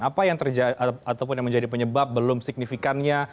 apa yang terjadi atau menjadi penyebab belum signifikannya